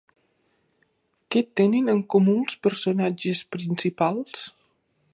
Què tenen en comú els personatges principals?